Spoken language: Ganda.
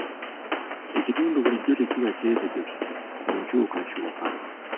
Ekitundu bulijjo tekiba kyetegefu ku nkyukakyuka.